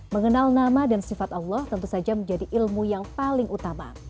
mengenal nama dan sifat allah tentu saja menjadi ilmu yang paling utama